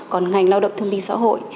còn ngành lao động thương minh xã hội